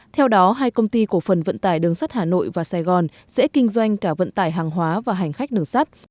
theo đó hai công ty cổ phần vận tải đường sắt hà nội và sài gòn sẽ kinh doanh cả vận tải hàng hóa và hành khách đường sắt